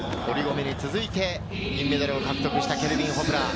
堀米に続いて、銀メダルを獲得したケルビン・ホフラー。